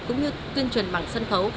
cũng như tuyên truyền bằng sân khấu